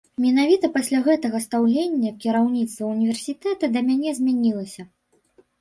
Менавіта пасля гэтага стаўленне кіраўніцтва універсітэта да мяне змянілася.